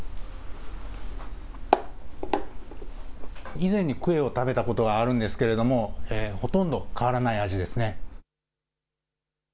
以前にクエを食べたことはあるんですけど、ほとんど変わらない味ですね。